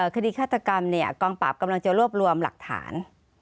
คดีฆาตกรรมกองปราบกำลังจะรวบรวมหลักฐาน